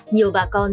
nhiều bà con